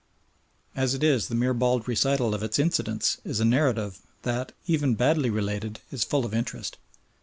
As it is, the mere bald recital of its incidents is a narrative that, even badly related, is full of interest.